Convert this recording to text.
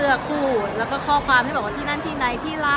คู่แล้วก็ข้อความที่บอกว่าที่นั่นที่ไหนที่ร้าน